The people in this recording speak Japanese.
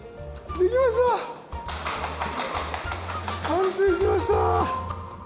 完成しました！